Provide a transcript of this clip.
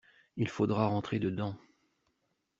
Il faudra rentrer dedans.